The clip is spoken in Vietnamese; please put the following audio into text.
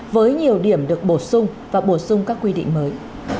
với nhiều điểm được bổ sung và bổ sung các quy định mới